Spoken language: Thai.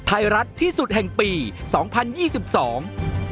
ไทยรัฐที่สุดแห่งปีสองพันยี่สิบสอง